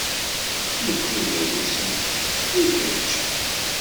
Nukni d Irusiyen, i kečč?